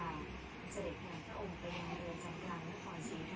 ส่วนตัวแสดงเป็นป้ายของราชาชนิดหนึ่งสุขภาพราชธรรมกันสิทธิ์